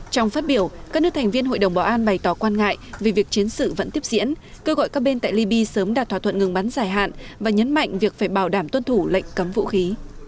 trong phát biểu các nước thành viên hội đồng bảo an bày tỏ quan ngại về việc chiến sự vẫn tiếp diễn kêu gọi các bên tại libya sớm đạt thỏa thuận ngừng bắn giải hạn và nhấn mạnh việc phải bảo đảm tuân thủ lệnh cấm vũ khí